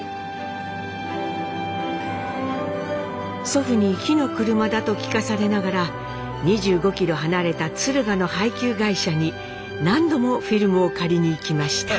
祖父に火の車だと聞かされながら２５ｋｍ離れた敦賀の配給会社に何度もフィルムを借りに行きました。